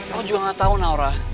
kamu juga gak tahu naura